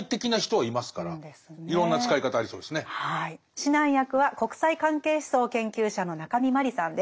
指南役は国際関係思想研究者の中見真理さんです。